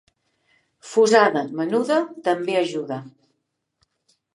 Fusada menuda també ajuda.